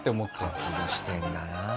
覚悟してんだな。